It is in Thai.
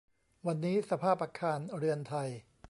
วันนี้สภาพอาคารเรือนไทย